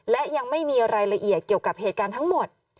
และยังไม่มีรายละเอียดเกี่ยวกับเหตุการณ์ทั้งหมด